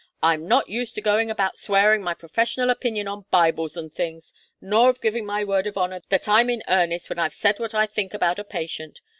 I'm not used to going about swearing my professional opinion on Bibles and things, nor to giving my word of honour that I'm in earnest when I've said what I think about a patient.